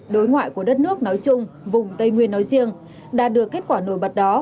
đối ngoại của đất nước nói chung vùng tây nguyên nói riêng đạt được kết quả nổi bật đó